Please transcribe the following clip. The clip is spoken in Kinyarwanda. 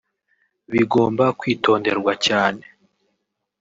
bigomba kwitonderwa cyane